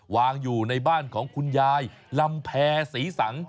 วางอยู่ในบ้านของคุณยายลำแพรศรีสัง